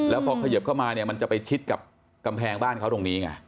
แล้วพอเขยิบเข้ามาเนี่ยมันจะไปชิดกับกำแพงบ้านเขาตรงนี้ไง